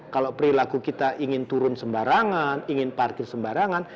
kalau perilaku kita ingin turun sembarangan ingin parkir sembarangan